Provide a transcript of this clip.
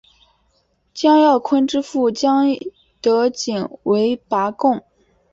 蒋兆鲲之父蒋德璟为拔贡。